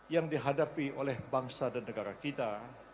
yang dihadapi oleh bangsa dan negara kita